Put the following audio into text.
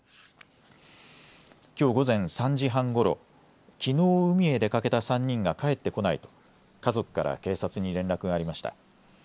きょう午前３時半ごろ、きのう海へ出かけた３人が帰ってこないと家族から警察に連絡がありました。